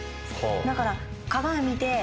だから。